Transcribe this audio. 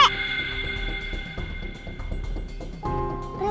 terlalu pusing aja ya